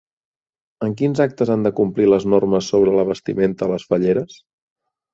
En quins actes han de complir les normes sobre la vestimenta les falleres?